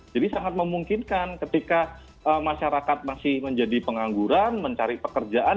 jadi sangat memungkinkan ketika masyarakat masih menjadi pengangguran mencari pekerjaan